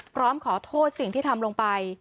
พร้อมขอโทษสิ่งที่ทำลงไป